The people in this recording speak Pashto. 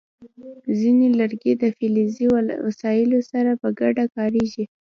ځینې لرګي د فلزي وسایلو سره په ګډه کارېږي.